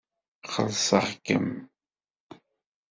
Xellṣeɣ-kem.